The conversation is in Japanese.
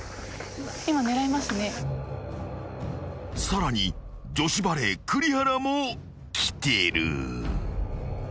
［さらに女子バレー栗原も来てる］